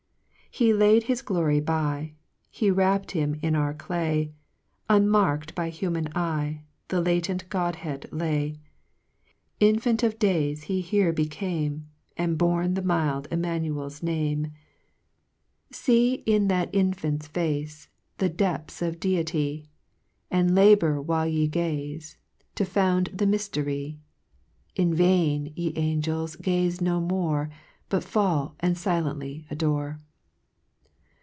2 He laid his glory by, He wrapp'd him in our clay, Uomark'd by human eye, The latent Godhead lay ; Infant of days he here became, And born the mild Immanuel's Name. A 3. See C 6 ) 3 See in that Infant's face, The depths of Deity, And labour while ye gaze, To found the myftery; In rain : ye angels gaze no more, But fail and filently adore.